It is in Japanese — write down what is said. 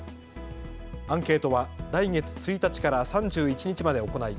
アンケートは来月１日から３１日まで行い